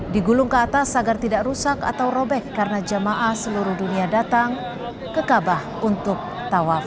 digulung ke atas agar tidak rusak atau robek karena jamaah seluruh dunia datang ke kabah untuk tawaf